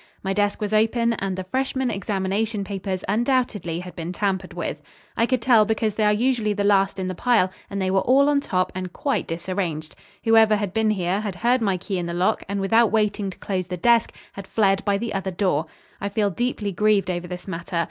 My desk was open and the freshman examination papers undoubtedly had been tampered with. I could tell because they are usually the last in the pile and they were all on top and quite disarranged. Whoever had been here, had heard my key in the lock, and without waiting to close the desk had fled by the other door. I feel deeply grieved over this matter.